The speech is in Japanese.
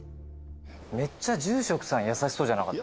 めっちゃ住職さん優しそうじゃなかった？